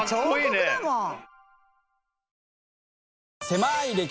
彫刻だもん。